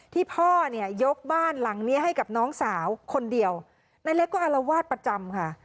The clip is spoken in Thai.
พ่อเนี่ยยกบ้านหลังนี้ให้กับน้องสาวคนเดียวนายเล็กก็อารวาสประจำค่ะ